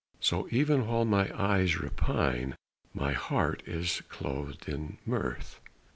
So even while my eyes repine, My heart is clothed in mirth.